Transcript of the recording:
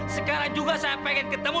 sekarang juga saya pengen ketemu